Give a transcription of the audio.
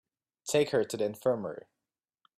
Take her to the infirmary.